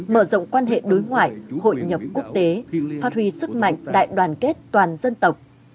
mở rộng quan hệ đối ngoại hội nhập quốc tế phát huy sức mạnh đại đoàn kết toàn dân tộc